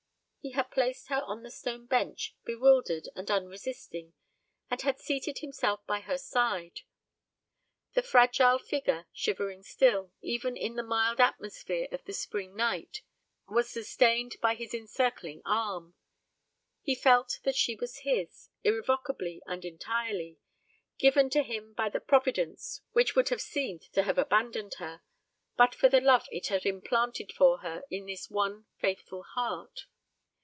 He had placed her on the stone bench, bewildered and unresisting, and had seated himself by her side. The fragile figure, shivering still, even in the mild atmosphere of the spring night, was sustained by his encircling arm. He felt that she was his, irrevocably and entirely given to him by the Providence which would have seemed to have abandoned her, but for the love it had implanted for her in this one faithful heart.